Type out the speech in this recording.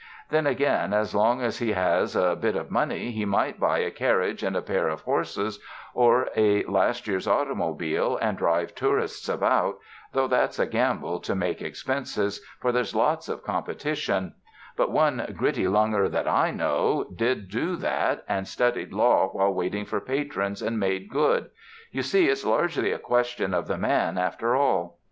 Then again, as long as he has a bit of money he might buy a carriage and a pair of horses, or a last year's automobile, and drive tour ists about, though that's a gamble to make expenses, for there's lots of competition; but one gritty 'lunger' that I knew, did do that and studied law while waiting for patrons, and made good. You see it's largely a question of the man after all.